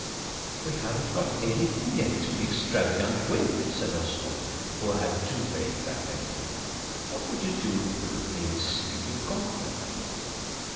"We haven't got anything yet to be extravagant with," said Oswald, who had toothache that day. "What would you do with the things if you'd got them?"